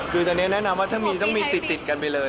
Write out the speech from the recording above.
คือตอนนี้แนะนำว่าถ้ามีต้องมีติดกันไปเลย